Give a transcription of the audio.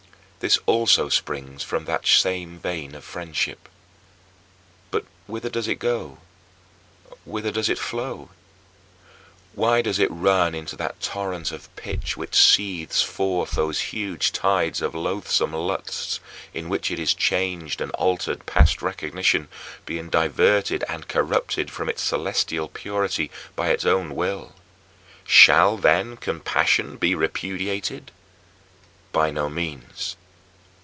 This also springs from that same vein of friendship. But whither does it go? Whither does it flow? Why does it run into that torrent of pitch which seethes forth those huge tides of loathsome lusts in which it is changed and altered past recognition, being diverted and corrupted from its celestial purity by its own will? Shall, then, compassion be repudiated? By no means!